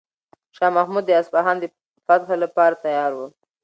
شاه محمود د اصفهان د فتح لپاره تیار و.